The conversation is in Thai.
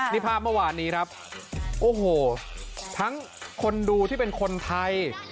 นี่ภาพเมื่อวานนี้ครับโอ้โหทั้งคนดูที่เป็นคนไทย